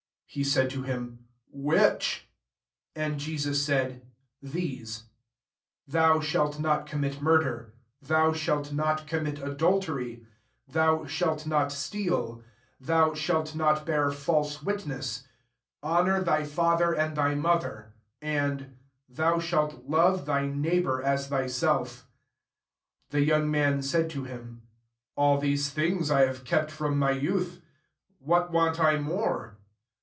*' 18 He said to him, « Which ?'* And Jesus ^aid « Tlnwe, * Thou 5« 54 MATTHEW XX. t^alt not commit murder : Tbou shall not commit adultery: Thou shalt not steal : Thou shalt not bear false witness : 19 Honour thy father and thy mother : and, Thou shalt love thy neighbour as thyself.' " 20 The young man said to him, << All these things I ha^e kept [from my youth] : what want I more?"